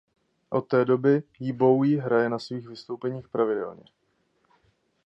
Od té doby ji Bowie hraje na svých vystoupeních pravidelně.